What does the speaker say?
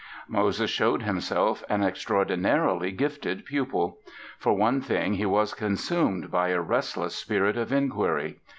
Moses showed himself an extraordinarily gifted pupil. For one thing, he was consumed by a restless spirit of inquiry.